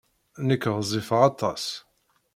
Nekk ɣezzifeɣ aṭas.